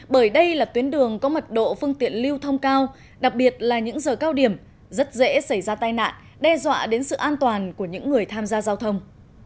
bởi đây là tuyến đường có mật độ phương tiện lưu thông cao đặc biệt là những giờ cao điểm rất dễ xảy ra tai nạn đe dọa đến sự an toàn của những người tham gia giao thông